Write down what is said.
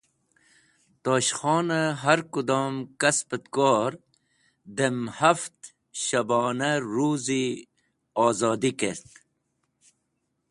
Yem rang, Tosh Khone har kudom kisp et kor dem haft shabona ruzi ozodi kert.